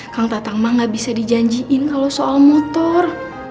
kamu datang mak gak bisa dijanjiin soal motor